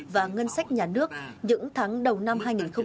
và ngân sách nhà nước những tháng đầu năm hai nghìn hai mươi